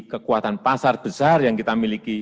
kekuatan pasar besar yang kita miliki